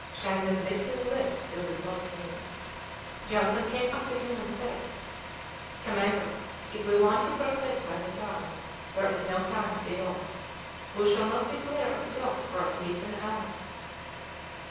Shandon bit his lips till the blood came. Johnson came up to him and said "Commander, if we want to profit by the tide, there is no time to be lost; we shall not be clear of the docks for at least an hour."